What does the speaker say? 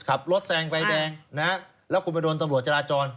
บอกว่าคุณขับรถแซงไฟแดงแล้วคุณไปโดนตำรวจจราจร